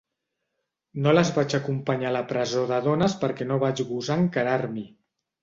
No les vaig acompanyar a la presó de dones perquè no vaig gosar encararm'hi.